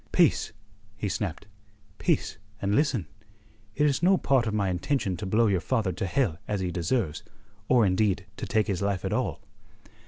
"Peace!" he snapped. "Peace, and listen! It is no part of my intention to blow your father to hell as he deserves, or indeed to take his life at all."